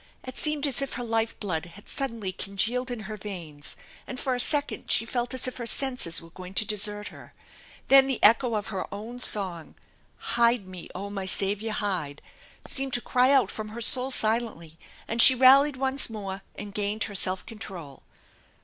It seemed as if her life blood had suddenly congealed in her veins and for a second she felt as if her senses were going to desert her. Then the echo of her own song :" Hide me, oh, my Saviour hide !" seemed to THE ENCHANTED BARN 273 ery out from her soul silently and she rallied once more and gained her self control.